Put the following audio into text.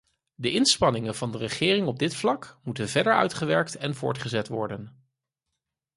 De inspanningen van de regering op dit vlak moeten verder uitgewerkt en voortgezet worden.